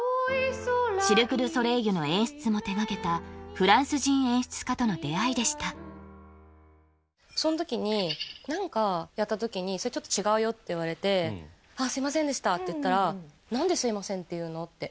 シルク・ドゥ・ソレイユの演出も手掛けたフランス人演出家との出会いでしたその時に何かやった時に「それちょっと違うよ」って言われて「すいませんでした」って言ったら「何ですみませんって言うの？」って